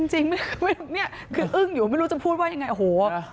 นี่คืออึ้งอยู่ไม่รู้จะพูดว่ายังไงโอ้โห